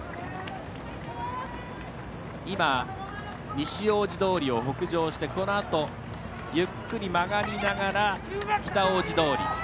西大路通を北上してこのあと、ゆっくり曲がりながら北大路通。